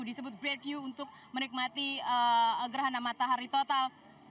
disebut great view untuk menikmati gerhana matahari total